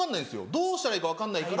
どうしたらいいか分かんないから。